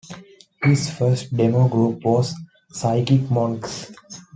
His first demo group was Psychic Monks.